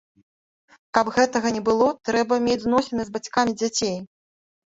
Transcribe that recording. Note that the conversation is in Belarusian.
Каб гэтага не было, трэба мець зносіны з бацькамі дзяцей.